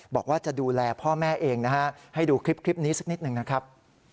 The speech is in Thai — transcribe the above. บอกว่าจะดูแลพ่อแม่เองนะฮะให้ดูคลิปนี้สักนิดหนึ่งนะครับ